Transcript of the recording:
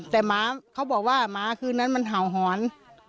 แต่หมาเขาบอกว่าหมาคืนนั้นมันเห่าหอน